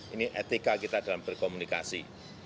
ini etika kita dalam berkomunikasi